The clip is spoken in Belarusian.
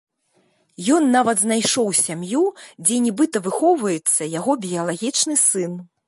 Ён нават знайшоў сям'ю, дзе нібыта выхоўваецца яго біялагічны сын.